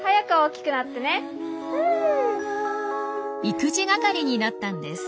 育児係になったんです。